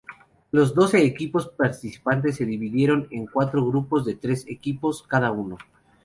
Los doce equipos participantes se dividieron en cuatro grupos de tres equipos cada uno.